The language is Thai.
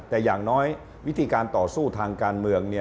แต่อย่างน้อยวิธีการต่อสู้ทางการเมือง